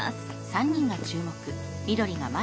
「３人が注目」。